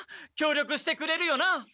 きょう力してくれるよな？